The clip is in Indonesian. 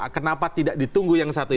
kenapa tidak ditunggu yang satu